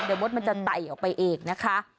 เดี๋ยวมดมันจะไต่ออกไปอีกนะคะ